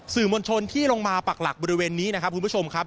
มวลชนที่ลงมาปักหลักบริเวณนี้นะครับคุณผู้ชมครับ